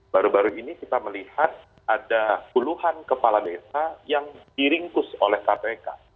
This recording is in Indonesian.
baru baru ini kita melihat ada puluhan kepala desa yang diringkus oleh kpk